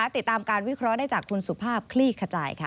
ติดตามการวิเคราะห์ได้จากคุณสุภาพคลี่ขจายค่ะ